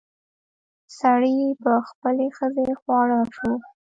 سړي په خپلې ښځې خواړه شو.